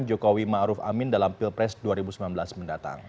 jokowi ma'ruf amin dalam pilpres dua ribu sembilan belas mendatang